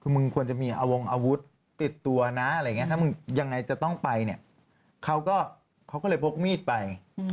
มึงควรจะมีอาวงอาวุธติดตัวนะอะไรอย่างนี้ถ้ามึงยังไงจะต้องไปเนี่ยเขาก็เขาก็เลยพกมีดไป